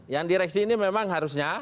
yang direksi ini memang harusnya